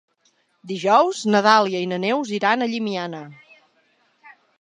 Dijous na Dàlia i na Neus iran a Llimiana.